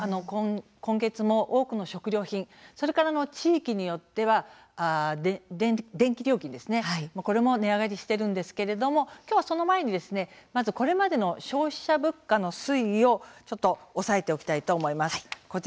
今月も多くの食料品それから地域によっては電気料金、これも値上がりしているんですが今日は、その前にこれまでの消費者物価の推移を押さえておきたいと思います。